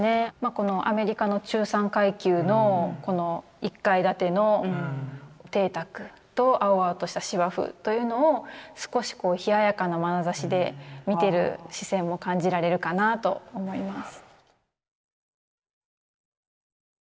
このアメリカの中産階級のこの１階建ての邸宅と青々とした芝生というのを少しこう冷ややかなまなざしで見てる視線も感じられるかなと思います。